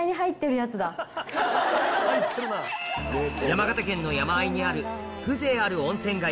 山形県の山あいにある風情ある温泉街